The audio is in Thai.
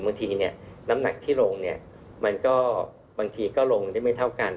บางทีน้ำหนักที่ลงบางทีก็ลงได้ไม่เท่ากัน